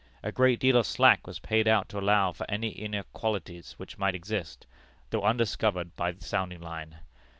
A great deal of slack was paid out to allow for any great inequalities which might exist, though undiscovered by the sounding line.